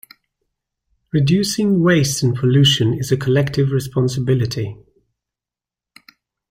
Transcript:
Reducing waste and pollution is a collective responsibility.